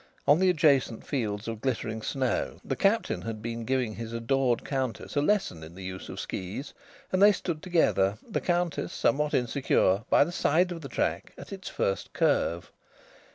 On the adjacent fields of glittering snow the Captain had been giving his adored Countess a lesson in the use of skis; and they stood together, the Countess somewhat insecure, by the side of the track at its first curve.